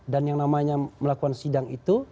dan yang namanya melakukan sidang itu